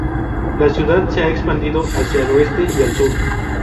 La ciudad se ha expandido hacia el oeste y al sur.